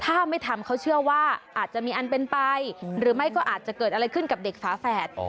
ถ้าไม่ทำเขาเชื่อว่าอาจจะมีอันเป็นไปหรือไม่ก็อาจจะเกิดอะไรขึ้นกับเด็กฝาแฝด